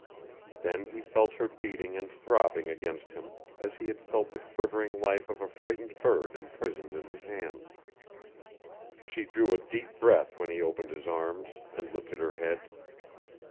Then he felt her beating and throbbing against him, as he had felt the quivering life of a frightened bird imprisoned in his hands. She drew a deep breath when he opened his arms, and lifted her head.